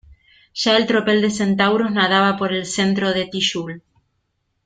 ya el tropel de centauros nadaba por el centro del Tixul